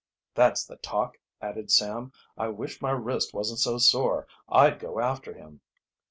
"That's the talk," added Sam. "I wish my wrist wasn't so sore I'd go after him."